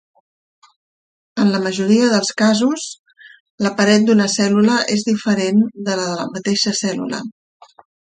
En la majoria dels casos, la paret d'una cèl·lula és diferent de la de la mateixa cèl·lula.